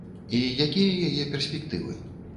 І якія яе перспектывы?